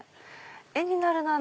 絵になるなぁ！